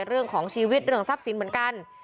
เรื่องของชีวิตเรื่องทรัพย์สินเหมือนกัน